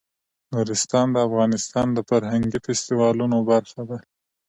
نورستان د افغانستان د فرهنګي فستیوالونو برخه ده.